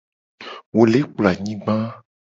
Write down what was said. Wo le kplo anyigba.